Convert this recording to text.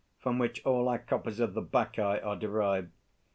from which all our copies of "The Bacchae" are derived.